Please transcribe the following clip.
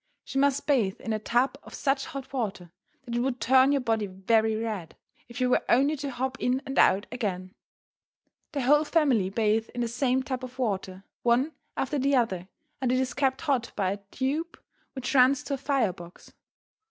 She must bathe in a tub of such hot water that it would turn your body very red, if you were only to hop in and out again. The whole family bathe in the same tub of water, one after the other, and it is kept hot by a tube which runs to a fire box.